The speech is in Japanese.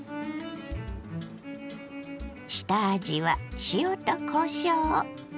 下味は塩とこしょう。